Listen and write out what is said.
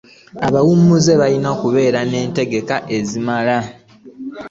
Abawumuzze balina okubeera n'entegeka ezimala.